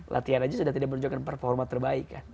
latihan aja sudah tidak menunjukkan performa terbaik kan